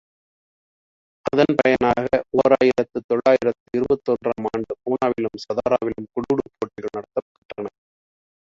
அதன் பயனாக ஓர் ஆயிரத்து தொள்ளாயிரத்து இருபத்தொன்று ஆம் ஆண்டு பூனாவிலும், சதாராவிலும் குடூடூ போட்டிகள் நடத்தப்பெற்றன.